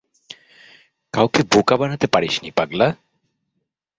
কাউকে বোকা বানাতে পারিসনি, পাগলা।